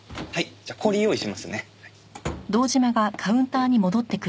じゃあ氷用意しますね。